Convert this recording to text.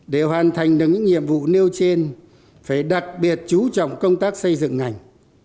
để hoàn thành được những nhiệm vụ nêu trên phải đặc biệt chú trọng công tác xây dựng ngành